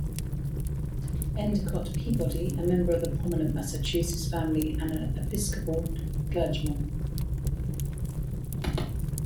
Endicott Peabody, a member of a prominent Massachusetts family and an Episcopal clergyman.